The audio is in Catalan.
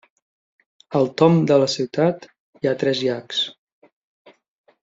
Al tomb de la ciutat hi ha tres llacs.